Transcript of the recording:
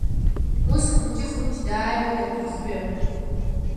Ус хәыҷы-хәыҷ дааиуеит аҭәархҩы!